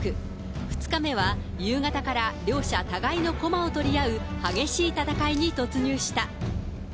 ２日目は夕方から、両者互いの駒を取り合う激しい戦いに突入した。